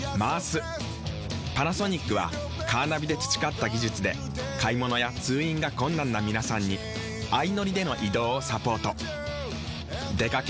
パナソニックはカーナビで培った技術で買物や通院が困難な皆さんに相乗りでの移動をサポート。